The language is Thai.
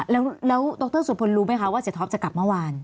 แล้วดรสุพลรู้ไหมคะว่าเสียท็อปจะกลับเมื่อวาน